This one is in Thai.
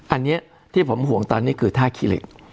อันนี้ที่ผมห่วงตอนนี้คือท่าขี้เหล็ก